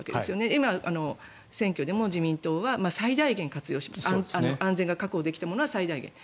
今、選挙でも自民党は最大限活用します安全が確保できたものは最大限。